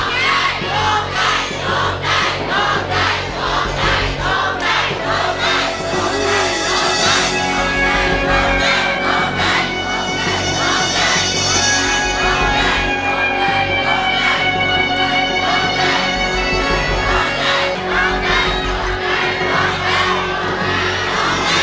ร้องได้ร้องได้ร้องได้ร้องได้ร้องได้